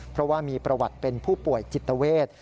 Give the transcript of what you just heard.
เพราะว่ามีประวัติเป็นผู้ป่วยจิตเวท